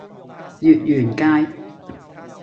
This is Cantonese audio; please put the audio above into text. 月園街